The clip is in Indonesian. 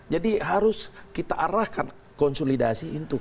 jadi harus kita arahkan konsolidasi itu